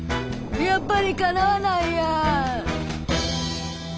「やっぱりかなわないや」。